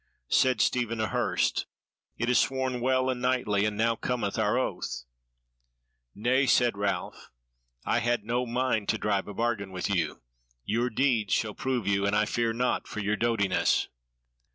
Said Stephen a Hurst: "It is sworn well and knightly, and now cometh our oath." "Nay," said Ralph, "I had no mind to drive a bargain with you; your deeds shall prove you; and I fear not for your doughtiness."